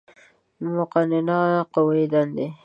د مقننه قوې دندې